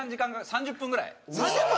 ３０分！？